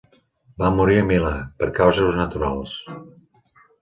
Va morir a Milà, per causes naturals.